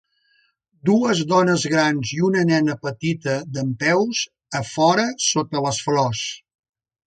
Dues dones grans i una nena petita dempeus a fora sota les flors.